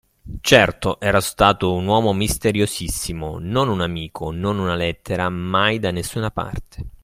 Certo ero stato un uomo misteriosissimo: non un amico, non una lettera, mai, da nessuna parte.